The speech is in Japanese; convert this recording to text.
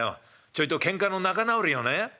ちょいとけんかの仲直りをねうん。